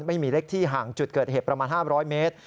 ไม่มีเล็กที่ห่างจุดเกิดเหตุประมาณ๕๐๐เมตร